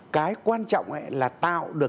cái quan trọng là tạo được